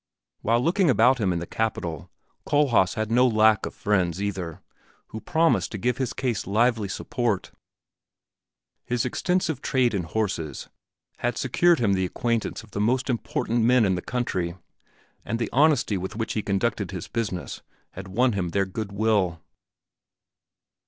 While looking about him in the capital, Kohlhaas had no lack of friends, either, who promised to give his case lively support. His extensive trade in horses had secured him the acquaintance of the most important men of the country, and the honesty with which he conducted his business had won him their good will.